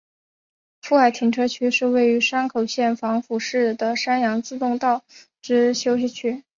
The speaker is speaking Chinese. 富海停车区是位于山口县防府市的山阳自动车道之休息区。